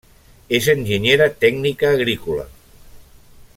És enginyera tècnica agrícola.